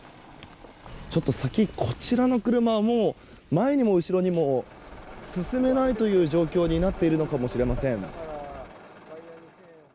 ちょっと先、こちらの車前にも後ろにも進めないという状況になっているのかもしれません。